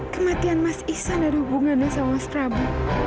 kematian mas iksan ada hubungannya sama mas rabu